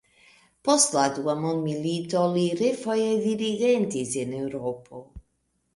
Post la dua mondmilito, li refoje dirigentis en Eŭropo.